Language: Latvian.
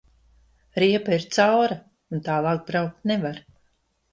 Riepa ir caura un tālāk braukt nevar.